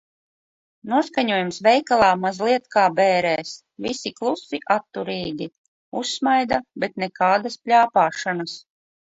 Noskaņojums veikalā mazliet kā bērēs. Visi klusi, atturīgi. Uzsmaida, bet nekādas pļāpāšanas.